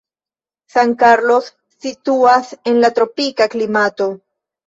San Carlos situas en la tropika klimato.